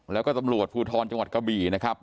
แล้วก็ตำรวจภูทรจังหวัดกะบี่นะครับ